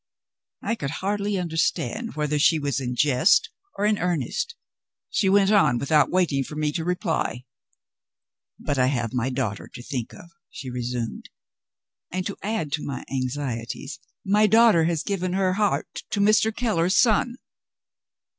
I could hardly understand whether she was in jest or in earnest. She went on without waiting for me to reply. "But I have my daughter to think of," she resumed, "and to add to my anxieties my daughter has given her heart to Mr. Keller's son.